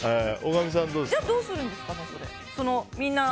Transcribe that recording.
じゃあ、どうするんですか？